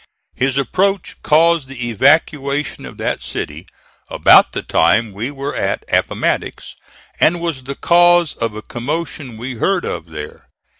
His approach caused the evacuation of that city about the time we were at Appomattox, and was the cause of a commotion we heard of there.